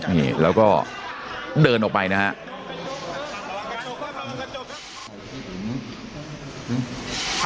นี่แล้วก็เดินออกไปนะครับ